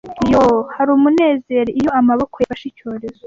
Yoo, hari umunezero iyo amaboko yafashe icyorezo